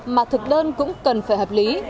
mà thực đơn cũng cần phải hợp lý